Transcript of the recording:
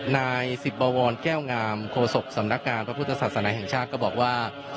นายสิบบวรแก้วงามโฆษกสำนักงานพระพุทธศาสนาแห่งชาติก็บอกว่า